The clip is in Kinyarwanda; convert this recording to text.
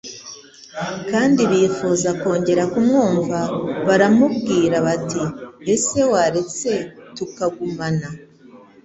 kandi bifuza kongera kumwumva baramubwira bati: "Ese waretse tukagumana"